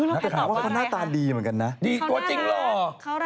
แล้วถามว่าคนน่าตาดีเหมือนกันนะดีตัวจริงหรอ